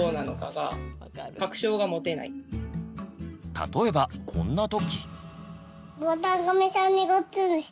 例えばこんな時。